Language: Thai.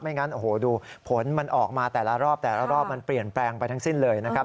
งั้นโอ้โหดูผลมันออกมาแต่ละรอบแต่ละรอบมันเปลี่ยนแปลงไปทั้งสิ้นเลยนะครับ